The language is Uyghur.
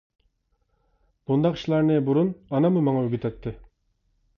بۇنداق ئىشلارنى بۇرۇن ئاناممۇ ماڭا ئۆگىتەتتى.